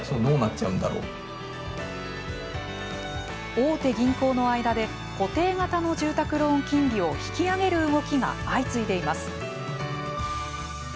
大手銀行の間で固定型の住宅ローン金利を引き上げる動きが相次いでます。